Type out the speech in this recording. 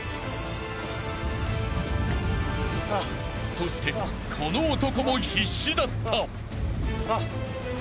［そしてこの男も必死だった］